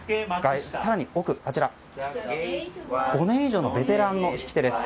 更に奥、５年以上のベテランの引き手です。